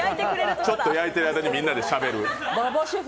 ちょっと焼いてる間にみんなでしゃべる。